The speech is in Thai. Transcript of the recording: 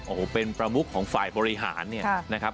โอ้โหเป็นประมุขของฝ่ายบริหารเนี่ยนะครับ